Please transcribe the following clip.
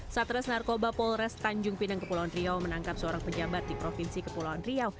satres narkoba polres tanjung pinang kepulauan riau menangkap seorang pejabat di provinsi kepulauan riau